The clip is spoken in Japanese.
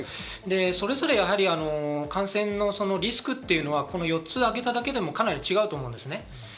それぞれ感染のリスクというのは、この４つを挙げただけでもかなり違うと思います。